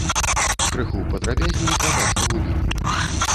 Крыху падрабязней пра бацькаву лінію.